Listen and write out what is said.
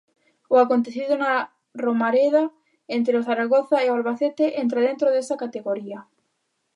O acontecido na Romareda entre o Zaragoza e o Albacete entra dentro desa categoría.